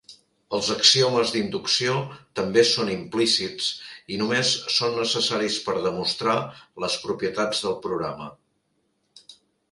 Els axiomes d'inducció també són implícits i només són necessaris per demostrar les propietats del programa.